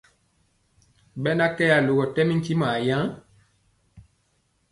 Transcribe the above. Ɓena kɛ alogɔ ɗen ntimɔ awaan ?